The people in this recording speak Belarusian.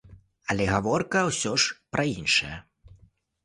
Але гаворка ўсё ж пра іншае.